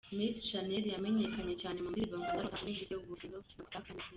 Miss Shanel yamenyekanye cyane mu ndirimbo nka ndarota, uniguse, ubufindo, nakutaka n’izindi.